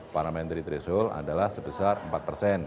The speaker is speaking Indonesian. parliamentary threshold adalah sebesar empat persen